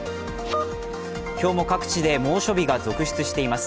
今日も各地で猛暑日が続出しています。